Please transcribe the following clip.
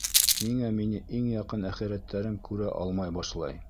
Ниңә мине иң яҡын әхирәттәрем күрә алмай башлай?